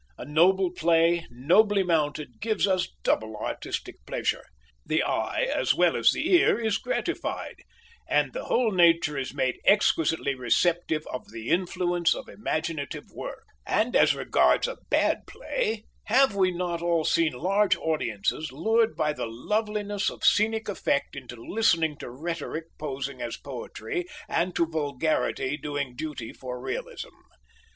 A noble play, nobly mounted, gives us double artistic pleasure. The eye as well as the ear is gratified, and the whole nature is made exquisitely receptive of the influence of imaginative work. And as regards a bad play, have we not all seen large audiences lured by the loveliness of scenic effect into listening to rhetoric posing as poetry, and to vulgarity doing duty for realism?